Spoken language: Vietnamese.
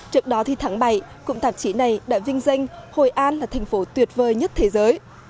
trước đó tháng bảy cụm tạp chí này đã vinh danh hội an là thành phố tuyệt vời nhất thế giới